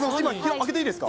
開けていいですか？